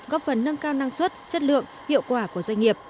góp phần nâng cao năng suất chất lượng hiệu quả của doanh nghiệp